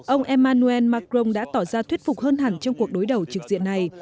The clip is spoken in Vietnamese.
ông emmanuel macron đã tỏ ra thuyết phục hơn hẳn trong cuộc đối đầu trực diện này